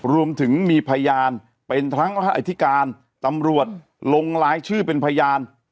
รวมถึงมีพยานเป็นทั้งอธิการตำรวจลงลายชื่อเป็นพยาน